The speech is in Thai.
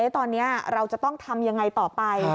ตอนนี้เราจะต้องทำยังไงต่อไป